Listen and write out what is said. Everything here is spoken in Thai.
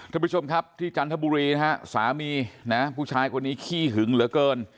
ท่านผู้ชมครับที่จันทบุรีนะฮะสามีนะผู้ชายคนนี้ขี้หึงเหลือเกิน